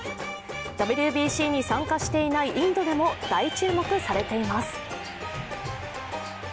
ＷＢＣに参加していないインドでも大注目されています。